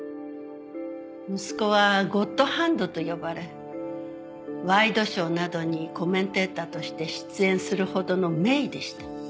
息子はゴッドハンドと呼ばれワイドショーなどにコメンテーターとして出演するほどの名医でした。